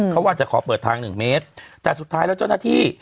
เขาว่าจะขอเปิดทางหนึ่งเมตรแต่สุดท้ายแล้วเจ้าหน้าที่